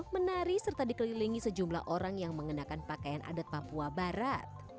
menari serta dikelilingi sejumlah orang yang mengenakan pakaian adat papua barat